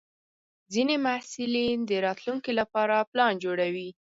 ځینې محصلین د راتلونکي لپاره پلان جوړوي.